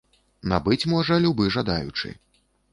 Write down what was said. Набыць можа любы жадаючы.